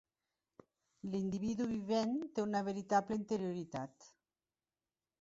L'individu vivent té una veritable interioritat.